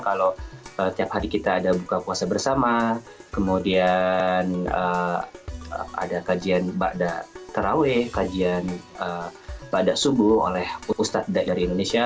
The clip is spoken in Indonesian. kalau tiap hari kita ada buka puasa bersama kemudian ada kajian terawih kajian badak subuh oleh ustadz dari indonesia